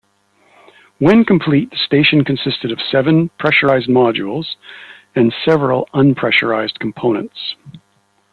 When complete, the station consisted of seven pressurised modules and several unpressurised components.